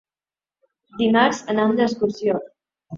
Dimarts anam d'excursió.